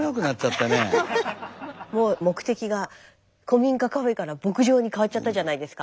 もう目的が古民家カフェから牧場に変わっちゃったじゃないですか。